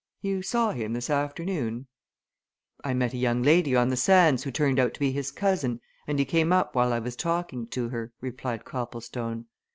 You saw him this afternoon?" "I met a young lady on the sands who turned out to be his cousin, and he came up while I was talking to her," replied Copplestone.